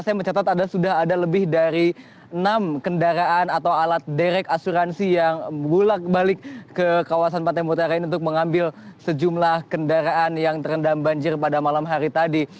saya mencatat ada sudah ada lebih dari enam kendaraan atau alat derek asuransi yang bulak balik ke kawasan pantai utara ini untuk mengambil sejumlah kendaraan yang terendam banjir pada malam hari tadi